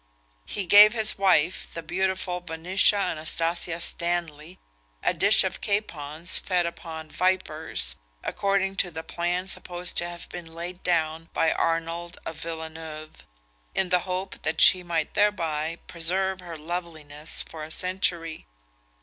He gave his wife, the beautiful Venetia Anastasia Stanley, a dish of capons fed upon vipers, according to the plan supposed to have been laid down by Arnold of Villeneuve, in the hope that she might thereby preserve her loveliness for a century.